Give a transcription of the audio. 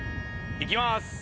いきます。